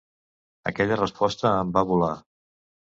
Aquella resposta em va volar.